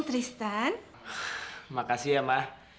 terima kasih ya ma